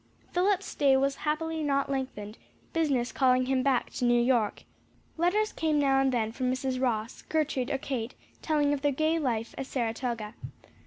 Philip's stay was happily not lengthened, business calling him back to New York. Letters came now and then from Mrs. Ross, Gertrude or Kate, telling of their gay life at Saratoga.